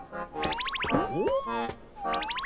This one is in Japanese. おっ？